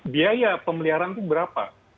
biaya pemeliharaan itu berapa